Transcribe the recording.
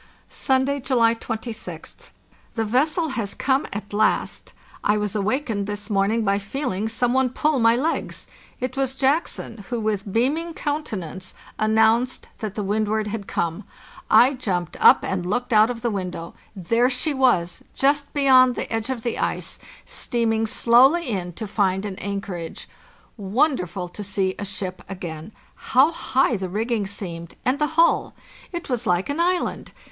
"Sunday, July 26th. The vessel has come at last. I was awakened this morning by feeling some one pull my legs. It was Jackson, who, with beaming countenance, o ro) JOHANSEN IN JACKSON'S SALOON oat N Ww THE JOURNEY SOUTHWARD announced that the Wxdward had come. I jumped up and looked out of the window. There she was, just be yond the edge of the ice, steaming slowly in to find an anchorage. Wonderful to see a ship again! How high the rigging seemed, and the hull! It was like an island.